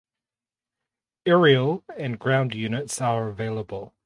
Aerial and ground units are available.